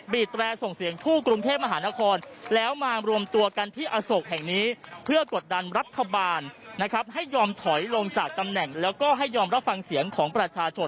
บีดแตรส่งเสียงผู้กรุงเทพมหานคร